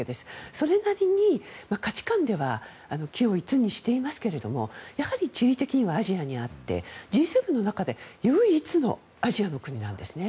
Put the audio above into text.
それなりに価値観では軌を一にしていますがやはり地理的にはアジアにあってＧ７の中で唯一のアジアの国なんですね。